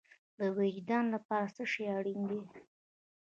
د وجدان لپاره څه شی اړین دی؟